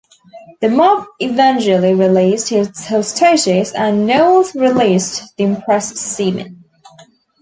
The mob eventually released its hostages and Knowles released the impressed seamen.